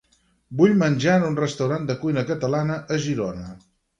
Vull menjar en un restaurant de cuina catalana a Girona.